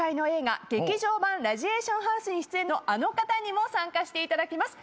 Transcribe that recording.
『劇場版ラジエーションハウス』に出演のあの方にも参加していただきます